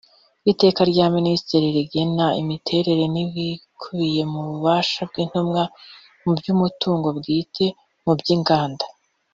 Iteka rya Minisitiri rigena imiterere n’ibikubiye mu bubasha bw’intumwa mu by’umutungo bwite mu by’inganda